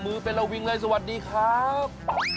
มือเป็นระวิงเลยสวัสดีครับ